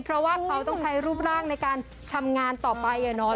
เพราะว่าเขาต้องใช้รูปร่างในการทำงานต่อไปอะเนาะ